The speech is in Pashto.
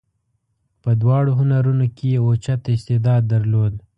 په دواړو هنرونو کې یې اوچت استعداد درلود.